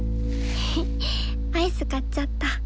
ヘヘアイス買っちゃった。